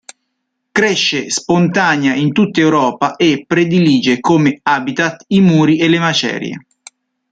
Cresce spontanea in tutta Europa e predilige come habitat i muri e le macerie.